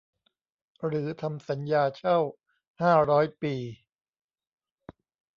หรือทำสัญญาเช่าห้าร้อยปี